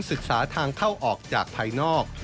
ศึกษาทางเข้าออกจากภายนอก